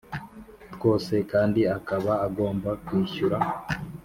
twose kandi akaba agomba kwishyura